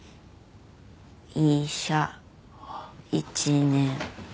医者１年目。